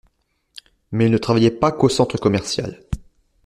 Mais il ne travaillait pas qu’au centre commercial.